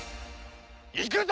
「いくぞ！